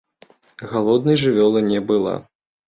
Галоднай жывёла не была.